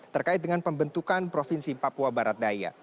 terkait dengan pembentukan provinsi papua barat daya